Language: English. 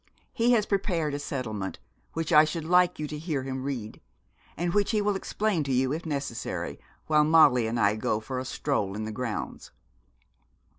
He has prepared a settlement, which I should like you to hear him read, and which he will explain to you, if necessary, while Molly and I go for a stroll in the grounds.'